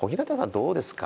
どうですか？